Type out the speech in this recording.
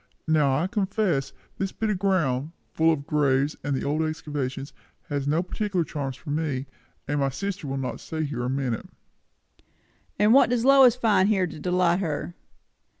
Now I confess, this bit of ground, full of graves and old excavations, has no particular charms for me; and my sister will not stay here a minute." "And what does Lois find here to delight her?